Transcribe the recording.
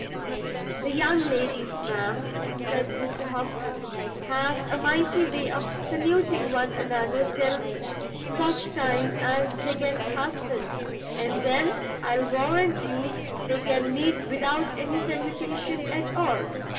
"The young ladies, ma'am," said Mr Hobson, "have a mighty way of saluting one another till such time as they get husbands: and then I'll warrant you they can meet without any salutation at all.